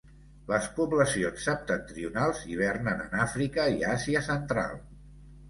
Les poblacions septentrionals hibernen en Àfrica i Àsia Central.